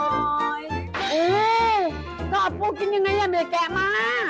เออก็เอาปูกินยังไงอ่ะเหนื่อยแกะมา